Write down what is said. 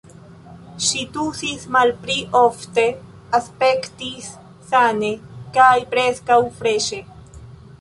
Ŝi tusis malpli ofte, aspektis sane kaj preskaŭ freŝe.